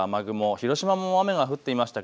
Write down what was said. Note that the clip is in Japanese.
広島も雨が降っていました。